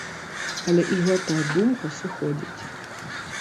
Але і гэтая думка сыходзіць.